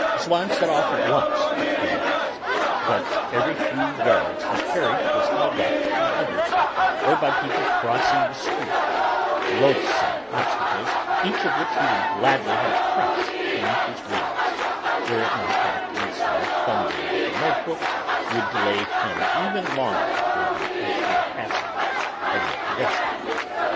Swann set off at once for Prévost's, but every few yards his carriage was held up by others, or by people crossing the street, loathsome obstacles each of which he would gladly have crushed beneath his wheels, were it not that a policeman fumbling with a note book would delay him even longer than the actual passage of the pedestrian.